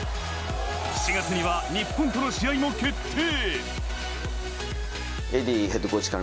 ７月には日本との試合も決定。